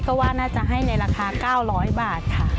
ก็ว่าน่าจะให้ในราคา๙๐๐บาทค่ะ